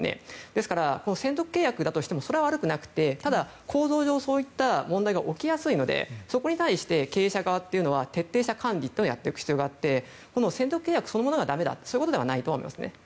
ですから、専属契約だとしてもそれは悪くなくてただ、構造上そういった問題が起きやすいのでそこに対して経営者側は徹底した管理をやっていく必要があって専属契約そのものがダメだそういうことではないと思いますね。